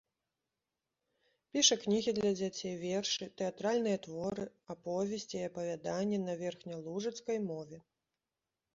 Піша кнігі для дзяцей, вершы, тэатральныя творы, аповесці і апавяданні на верхнялужыцкай мове.